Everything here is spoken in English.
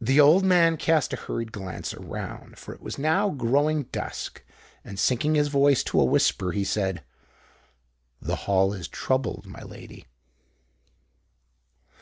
The old man cast a hurried glance around,—for it was now growing dusk,—and, sinking his voice to a whisper, he said, "The Hall is troubled, my lady."